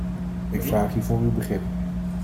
Ik vraag hiervoor uw begrip.